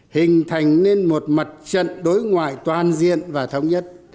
hình thành nên một mặt trận đối ngoại toàn diện và thống nhất